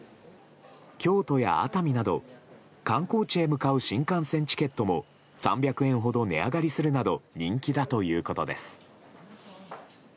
京都や熱海など観光地へ向かう新幹線チケットも３００円ほど値上がりするなど人気だということです。